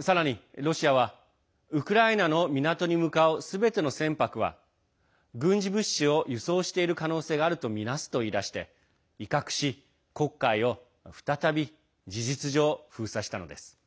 さらに、ロシアはウクライナの港に向かうすべての船舶は軍事物資を輸送している可能性があるとみなすといいだして威嚇し黒海を再び事実上、封鎖したのです。